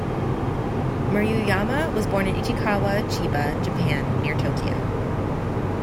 Maruyama was born in Ichikawa, Chiba, Japan, near Tokyo.